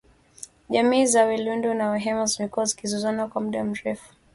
Jamii za walendu na wahema zimekuwa zikizozana kwa muda mrefu